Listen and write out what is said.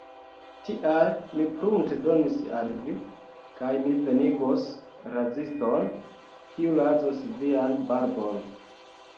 Tial, mi prunte donis al vi, kaj mi venigos raziston kiu razos vian barbon.